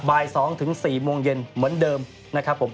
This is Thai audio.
บ่าย๒ถึง๔โมงเย็นเหมือนเดิมนะครับผม